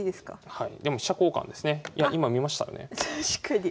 はい。